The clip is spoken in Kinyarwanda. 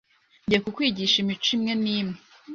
Ngiye kukwigisha imico imwe n'imwe.